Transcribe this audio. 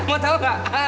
mau tau gak